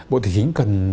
bộ tài chính cần